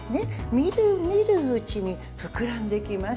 みるみるうちに膨らんできます。